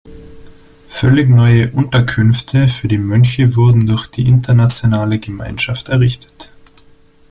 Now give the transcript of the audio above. Völlig neue Unterkünfte für die Mönche wurden durch die internationale Gemeinschaft errichtet.